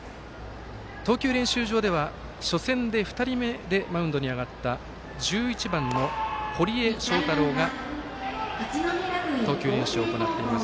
投球練習場では初戦で２人目でマウンドに上がった１１番の堀江正太郎が投球練習を行っています。